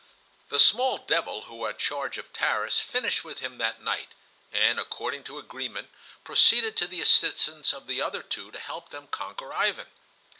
The small devil who had charge of Tarras finished with him that night, and according to agreement proceeded to the assistance of the other two to help them conquer Ivan.